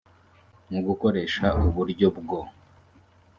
mu gukoresha uburyo bwo